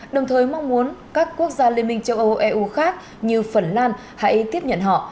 đồng thời mong muốn các quốc gia liên minh châu âu eu khác như phần lan hãy tiếp nhận họ